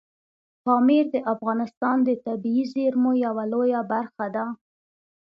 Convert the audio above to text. پامیر د افغانستان د طبیعي زیرمو یوه لویه برخه ده.